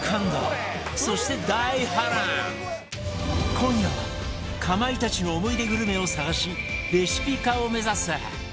今夜はかまいたちの思い出グルメを探しレシピ化を目指す